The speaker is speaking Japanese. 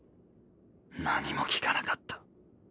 何も聞かなかった。